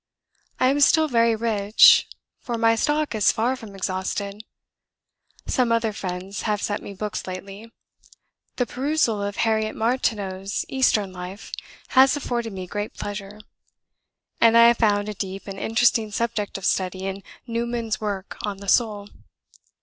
I am still very rich, for my stock is far from exhausted. Some other friends have sent me books lately. The perusal of Harriet Martineau's 'Eastern Life' has afforded me great pleasure; and I have found a deep and interesting subject of study in Newman's work on the Soul.